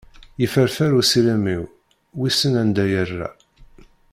Yefferfer usirem-iw, wissen anda yerra.